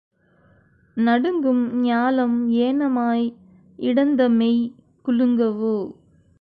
நடுங்கும் ஞாலம் ஏனமாய் இடந்தமெய் குலுங்கவோ?